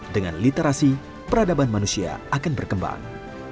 dengan literasi peradaban manusia akan berkembang